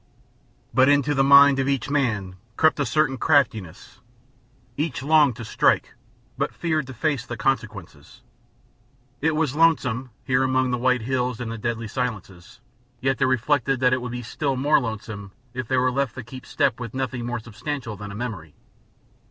But into the mind of each man crept a certain craftiness. Each longed to strike, but feared to face the consequences. It was lonesome, here among the white hills and the deathly silences, yet they reflected that it would be still more lonesome if they were left to keep step with nothing more substantial than a memory.